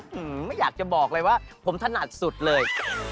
ไม่อยากจะบอกเลยว่าผมถนัดสุดเลย